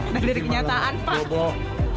dari kenyataan pak